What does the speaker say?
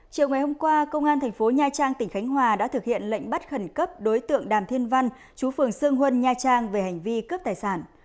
chiều ngày hôm qua công an thành phố nha trang tỉnh khánh hòa đã thực hiện lệnh bắt khẩn cấp đối tượng đàm thiên văn chú phường sương huân nha trang về hành vi cướp tài sản